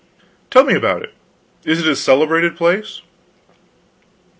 "Tell me about it. Is it a celebrated place?"